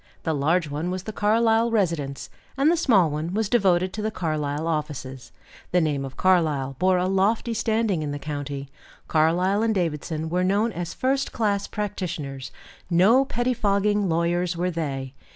The large one was the Carlyle residence, and the small one was devoted to the Carlyle offices. The name of Carlyle bore a lofty standing in the county; Carlyle and Davidson were known as first class practitioners; no pettifogging lawyers were they.